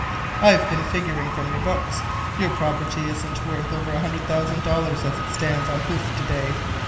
I've been figuring from your books. Your property isn't worth over a hundred thousand dollars as it stands on hoof today.